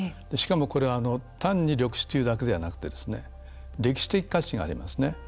これは単に緑地というだけでなく歴史的価値がありますね。